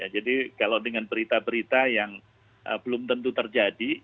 jadi kalau dengan berita berita yang belum tentu terjadi